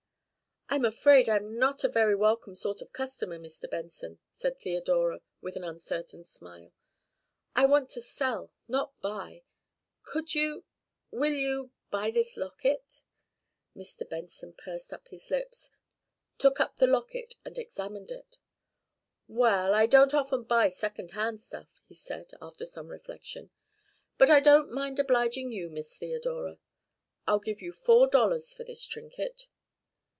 "I'm afraid I'm not a very welcome sort of customer, Mr. Benson," said Theodora, with an uncertain smile. "I want to sell, not buy. Could you will you buy this locket?" Mr. Benson pursed up his lips, took up the locket, and examined it. "Well, I don't often buy second hand stuff," he said, after some reflection, "but I don't mind obliging you, Miss Theodora. I'll give you four dollars for this trinket."